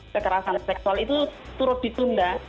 kekerasan seksual itu tidak berhasil